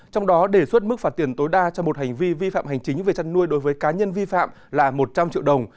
trong đó đề xuất mức phạt tiền tối đa cho một hành vi vi phạm hành chính về chăn nuôi đối với cá nhân vi phạm là một trăm linh triệu đồng